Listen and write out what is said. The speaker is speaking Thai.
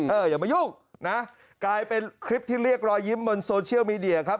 อย่ามายุ่งนะกลายเป็นคลิปที่เรียกรอยยิ้มบนโซเชียลมีเดียครับ